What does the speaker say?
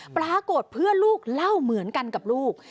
ปรากฏเพื่อนลูกเล่าเหมือนกันกับลูก